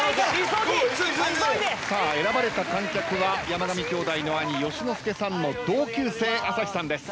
さあ選ばれた観客は山上兄弟の兄佳之介さんの同級生朝日さんです。